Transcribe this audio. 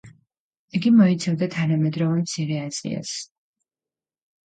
იგი მოიცავდა თანამედროვე მცირე აზიას.